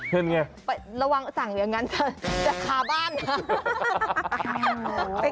เขาค่าค่าค่าค่า